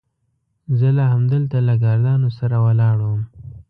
زه لا همدلته له ګاردانو سره ولاړ وم.